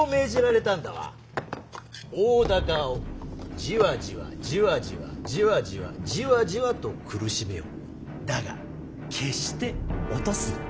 大高をじわじわじわじわじわじわじわじわと苦しめよだが決して落とすな。